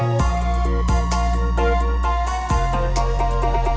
mau minta pendapat jemumun